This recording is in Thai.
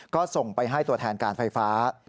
ก็ส่งไปให้ตัวแทนการไฟฟ้า